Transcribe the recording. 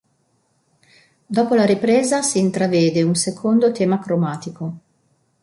Dopo la ripresa si intravede un secondo tema cromatico.